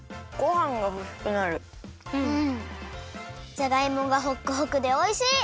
じゃがいもがほっくほくでおいしい！